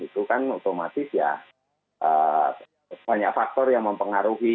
itu kan otomatis ya banyak faktor yang mempengaruhi